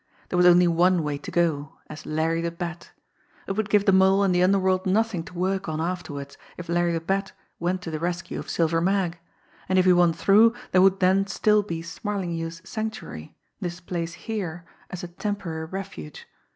There was only one way to go as Larry the Bat. It would give the Mole and the underworld nothing to work on afterwards if Larry the Bat went to the rescue of Silver Mag; and if he won through there would then still be "Smarlinghue's" sanctuary, this place here, as a temporary refuge.